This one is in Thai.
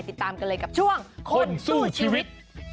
ติดตามกันเลยกับช่วงคนสู้ชีวิต